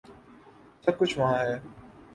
سب کچھ وہاں ہے۔